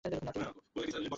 পরে অধ্যাপক পদে উন্নীত হন।